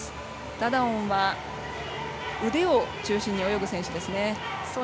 ダダオンは腕を中心に泳ぐ選手ですね。